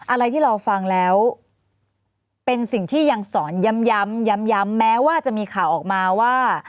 อะไรที่เราฟังแล้วเป็นสิ่งที่ยังสอนย้ำย้ำแม้ว่าจะมีข่าวออกมาว่า